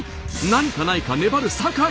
何かないか粘る坂井。